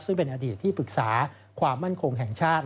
ซึ่งเป็นอดีตที่ปรึกษาความมั่นคงแห่งชาติ